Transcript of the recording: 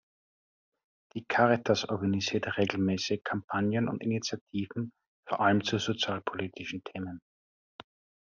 Die Caritas organisiert regelmäßig Kampagnen und Initiativen, vor allem zu sozialpolitischen Themen.